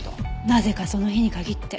なぜかその日に限って。